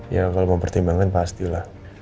ya kalau mempertimbangkan pastilah